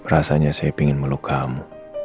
rasanya saya ingin meluk kamu